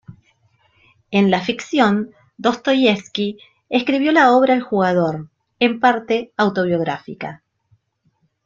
En la ficción, Dostoievski escribió la obra "El jugador", en parte autobiográfica.